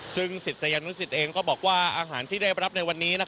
ซึ่งศิษยานุสิตเองก็บอกว่าอาหารที่ได้รับในวันนี้